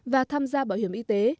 và tham gia bảo hiểm y tế